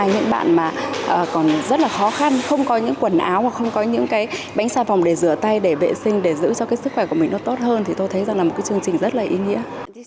những bạn mà còn rất là khó khăn không có những quần áo hoặc không có những cái bánh xà phòng để rửa tay để vệ sinh để giữ cho cái sức khỏe của mình nó tốt hơn thì tôi thấy rằng là một cái chương trình rất là ý nghĩa